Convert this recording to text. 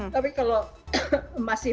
tapi kalau masih